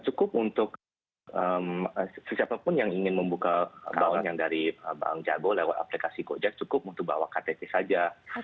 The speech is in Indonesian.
cukup untuk siapapun yang ingin membuka bound yang dari bank jago lewat aplikasi gojas cukup untuk bawa ktt saja